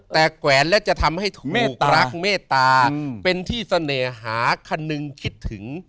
แต่แกวนและจะทำให้ถูกเมตรักเมตตาเป็นที่เสน่หาคนนึงคิดถึง